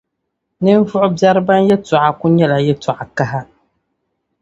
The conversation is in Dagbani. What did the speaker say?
ninvuɣ’ biɛri bɛn’ yɛtɔɣa kul nyɛla yɛtɔɣ’ kaha.